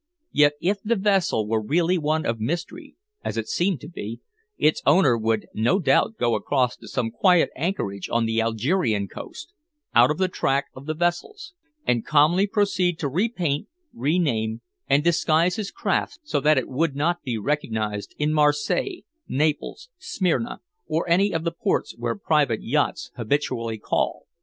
Yet if the vessel were really one of mystery, as it seemed to be, its owner would no doubt go across to some quiet anchorage on the Algerian coast out of the track of the vessels, and calmly proceed to repaint, rename and disguise his craft so that it would not be recognized in Marseilles, Naples, Smyrna, or any of the ports where private yachts habitually call.